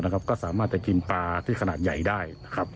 ก็สามารถจะกินปลาที่ขนาดใหญ่ได้นะครับ